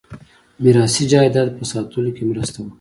میراثي جایداد په ساتلو کې مرسته وکړه.